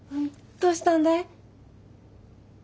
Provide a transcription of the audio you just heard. どうしたんだい？